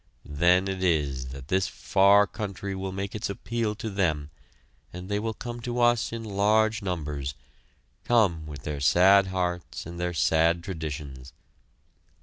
Then it is that this far country will make its appeal to them, and they will come to us in large numbers, come with their sad hearts and their sad traditions.